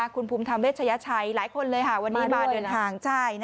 คุณภูมิธรรมเวชยชัยหลายคนเลยค่ะวันนี้มาเดินทางใช่